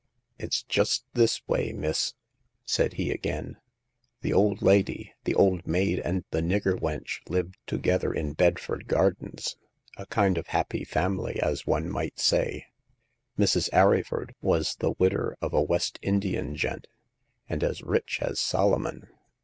" It's just this way, miss," said he again ;" the old lady, the old maid and the nigger wench Jived together in Bedford Gardens, a kind of The Second Customer. 67 happy family, as one might say. Mrs. Arryford was the widder of a West Indian gent, and as rich as Solomon.